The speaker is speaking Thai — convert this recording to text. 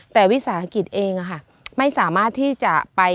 แต่วิสาหกิจเองไม่สามารถที่จะไป